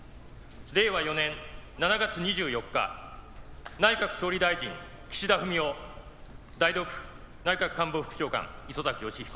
令和４年７月２４日内閣総理大臣岸田文雄代読内閣官房副長官磯崎仁彦